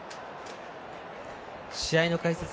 試合の解説